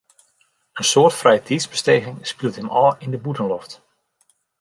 In soad frijetiidsbesteging spilet him ôf yn de bûtenloft.